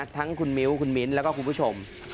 ทั้งคุณมิ้วคุณมิ้นแล้วก็คุณผู้ชม